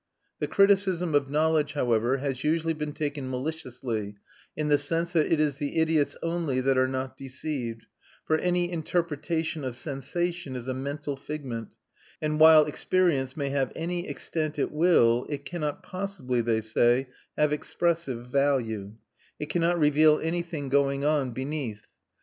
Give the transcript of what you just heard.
The criticism of knowledge, however, has usually been taken maliciously, in the sense that it is the idiots only that are not deceived; for any interpretation of sensation is a mental figment, and while experience may have any extent it will it cannot possibly, they say, have expressive value; it cannot reveal anything going on beneath.